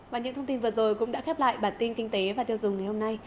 và những thông tin vừa rồi cũng đã khép lại bản tin kinh tế và tiêu dùng ngày hôm nay